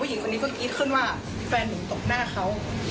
พื้นหนี้ก็คิดขึ้นว่าแฟนหนูตบหน้าเขาหัวค่ะ